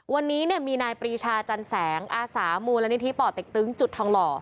วันนี้เนี่ยมีนายปรีชาจันแสงอาสามูลนิธิป่อเต็กตึงจุดทองหล่อ